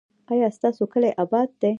ایا ستاسو کلی اباد دی؟